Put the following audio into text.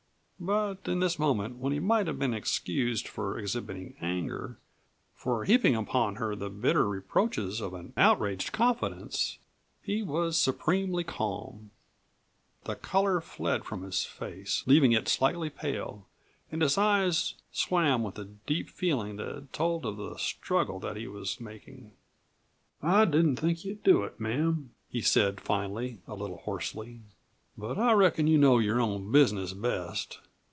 But in this moment, when he might have been excused for exhibiting anger; for heaping upon her the bitter reproaches of an outraged confidence, he was supremely calm. The color fled from his face, leaving it slightly pale, and his eyes swam with a deep feeling that told of the struggle that he was making. "I didn't think you'd do it, ma'am," he said finally, a little hoarsely. "But I reckon you know your own business best."